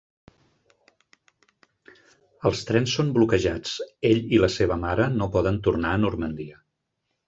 Els trens són bloquejats, ell i la seva mare no poden tornar a Normandia.